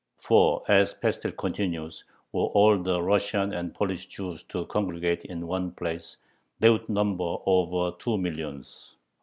For, as Pestel continues, were all the Russian and Polish Jews to congregate in one place, they would number over two millions.